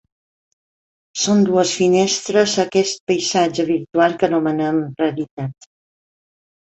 Són dues finestres a aquest paisatge virtual que anomenem realitat.